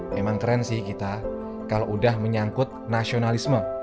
memang tren sih kita kalau udah menyangkut nasionalisme